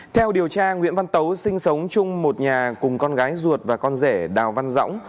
theo điều tra nguyễn văn tấu sinh sống chung một nhà cùng con gái ruột và con rể đào văn rõng